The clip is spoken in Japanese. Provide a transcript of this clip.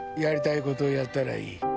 やりたいことやったらいい。